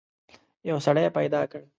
یو سړی پیدا کړ.